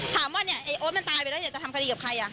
ถามว่าเนี่ยไอ้โอ๊ตมันตายไปแล้วอยากจะทำคดีกับใครอ่ะ